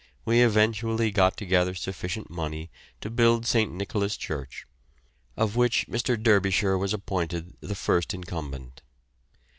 we eventually got together sufficient money to build St. Nicholas' church, of which Mr. Derbyshire was appointed the first incumbent.